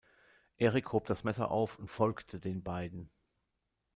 Eric hob das Messer auf und folgte den beiden.